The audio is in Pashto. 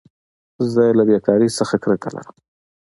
زه له بېکارۍ څخه کرکه لرم.